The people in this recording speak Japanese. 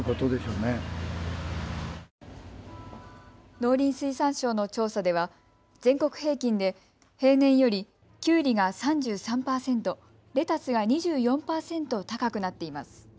農林水産省の調査では全国平均で平年よりきゅうりが３３％、レタスが２４％高くなっています。